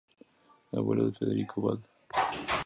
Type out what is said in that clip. Abuelo de Federico Bal.